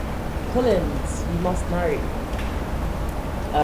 Collins, you must marry.